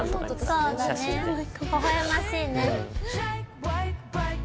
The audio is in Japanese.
そうだねほほ笑ましいね。